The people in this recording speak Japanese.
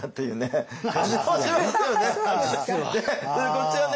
こっちはね